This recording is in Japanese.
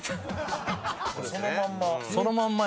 そのまんま。